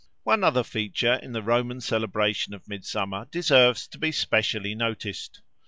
One other feature in the Roman celebration of Midsummer deserves to be specially noticed.